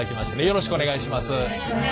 よろしくお願いします。